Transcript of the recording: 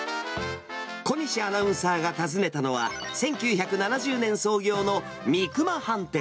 小西アナウンサーが訪ねたのは、１９７０年創業のみくま飯店。